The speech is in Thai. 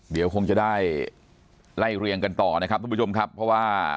เดี๋ยวคงจะได้ไล่เรียงกันต่อนะครับทุกผู้ชมครับเพราะว่า